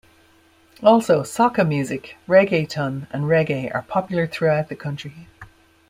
Also, soca music, reggaeton and reggae are popular throughout the country.